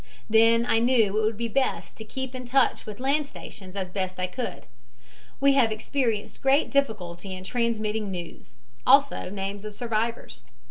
Then I knew it would be best to keep in touch with land stations as best I could. We have experienced great difficulty in transmitting news, also names of survivors.